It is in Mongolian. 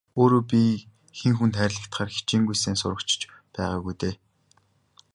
Өөрөө би хэн хүнд хайрлагдахаар хичээнгүй сайн сурагч ч байгаагүй дээ.